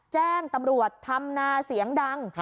แจ้งตำรวจทำนาเสียงดัง